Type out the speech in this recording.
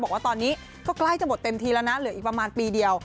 บอกว่าตอนนี้ก็ใกล้จะหมดเต็มทีแล้วนะเหลืออีกประมาณปีเดียว